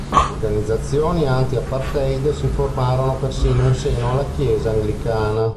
Organizzazioni anti-apartheid si formarono persino in seno alla chiesa anglicana.